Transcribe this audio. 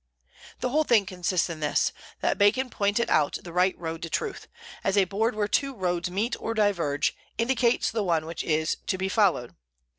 The whole thing consists in this, that Bacon pointed out the right road to truth, as a board where two roads meet or diverge indicates the one which is to be followed.